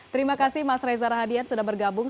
terima kasih mas reza rahadian sudah bergabung